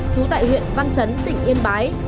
trú tại huyện văn chấn tỉnh yên bái